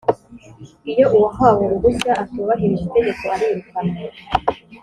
iyo uwahawe uruhushya atubahirije itegeko arirukanwa